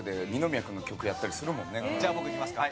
じゃあ、僕いきますか。